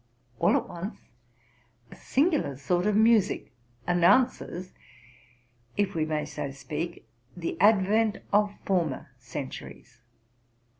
All at once a singular sort of music announces, if we may so speak, the advent of former centuries.